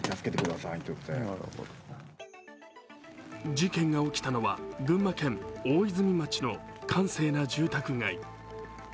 事件が起きたのは群馬県大泉町の閑静な住宅街。